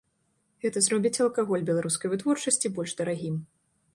Гэта зробіць алкаголь беларускай вытворчасці больш дарагім.